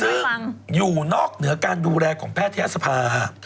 ซึ่งอยู่หน้าการดูแลของแพทยอศภา